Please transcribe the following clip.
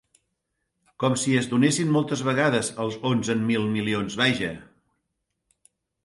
Com si es donessin moltes vegades els onzen mil milions, vaja.